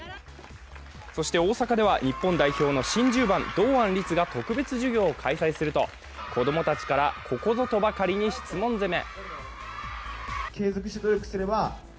そして大阪では、日本代表の新１０番堂安律が特別授業を開催すると、子供たちから、ここぞとばかりに質問攻め。